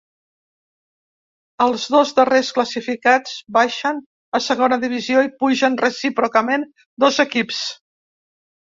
Els dos darrers classificats baixen a Segona Divisió i pugen recíprocament dos equips.